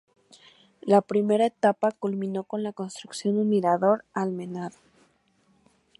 La primera etapa culminó con la construcción de un mirador almenado.